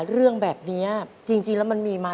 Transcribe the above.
เรื่องแบบนี้จริงแล้วมันมีมา